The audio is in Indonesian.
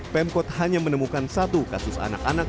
pemkot hanya menemukan satu kasus anak anak